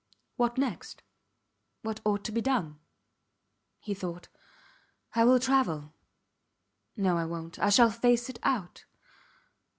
What next? What ought to be done? He thought: I will travel no I wont. I shall face it out.